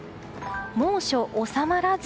猛暑、収まらず。